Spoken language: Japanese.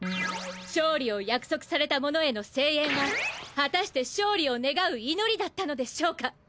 勝利を約束された者への声援は果たして勝利を願う祈りだったのでしょうか！？